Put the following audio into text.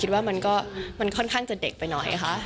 คิดว่ามันก็ค่อนข้างจะเด็กไปหน่อยค่ะ